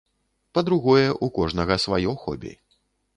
Па-другое, у кожнага сваё хобі.